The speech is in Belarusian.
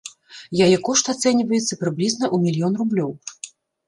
Яе кошт ацэньваецца прыблізна ў мільён рублёў.